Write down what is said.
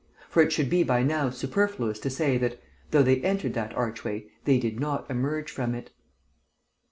For it should be by now superfluous to say that, though they entered that archway, they did not emerge from it.